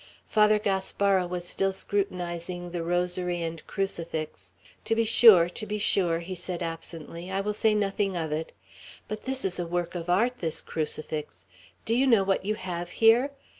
Father Gaspara was still scrutinizing the rosary and crucifix. "To be sure, to be sure," he said absently; "I will say nothing of it; but this is a work of art, this crucifix; do you know what you have here?